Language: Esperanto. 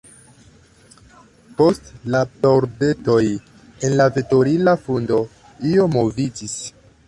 Post la pordetoj en la veturila fundo io moviĝis.